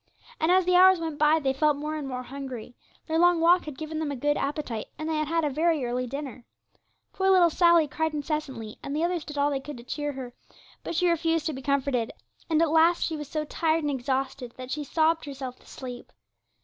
And as the hours went by, they felt more and more hungry; their long walk had given them a good appetite, and they had had a very early dinner. Poor little Sally cried incessantly, and the others did all they could to cheer her; but she refused to be comforted, and at last she was so tired and exhausted that she sobbed herself to sleep.